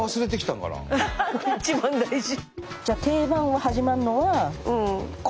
一番大事。